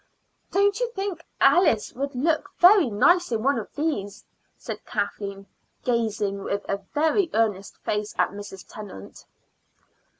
"Don't you think Alice would look very nice in one of these?" said Kathleen, gazing with a very earnest face at Mrs. Tennant.